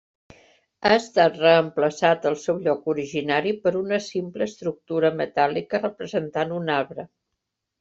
Ha estat reemplaçat al seu lloc originari per una simple estructura metàl·lica representant un arbre.